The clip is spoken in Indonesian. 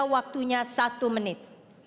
waktunya satu menit